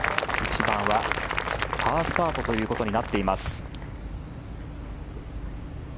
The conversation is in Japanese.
１番はパースタートということになっています。